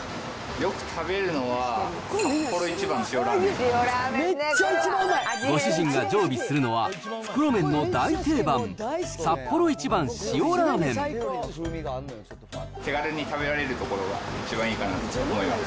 よく食べるのは、ご主人が常備するのは、袋麺の大定番、手軽に食べられるところが一番いいかなと思います。